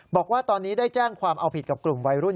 บอกว่าตอนนี้ได้แจ้งความเอาผิดกับกลุ่มวัยรุ่น